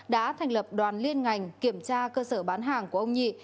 đã thành lập đoàn liên ngành kiểm tra cơ sở bán hàng của ông nhị